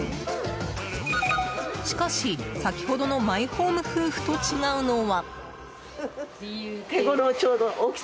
しかし、先ほどのマイホーム夫婦と違うのは。